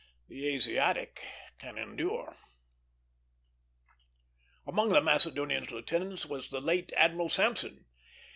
The Asiatic can endure. Among the Macedonian's lieutenants was the late Admiral Sampson.